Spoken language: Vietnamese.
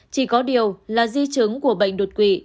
chỉ có điều là di chứng của bệnh đột quỵ